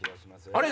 あれ？